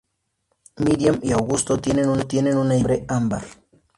Miriam y Augusto tienen una hija de nombre Ámbar.